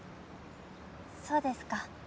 そうですか。